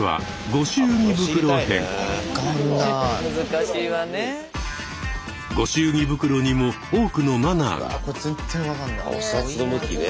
御祝儀袋にも多くのマナーが。